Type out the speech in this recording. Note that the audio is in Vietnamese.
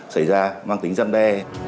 xảy ra mang tính dân đe